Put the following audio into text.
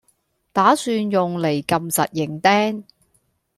打算用嚟撳實營釘